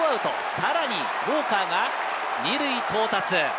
さらにウォーカーが、２塁到達。